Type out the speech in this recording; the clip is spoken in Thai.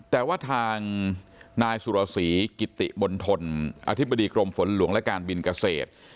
แต่ว่าทางนายสุรสีกิติมณฑลอธิบดีกรมฝนหลวงและการบินเกษตร